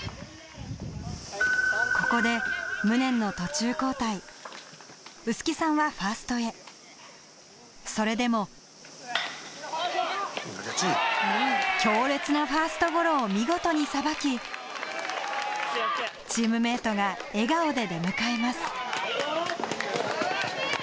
ここで無念の臼杵さんはファーストへそれでも強烈なファーストゴロを見事にさばきチームメートが笑顔で出迎えます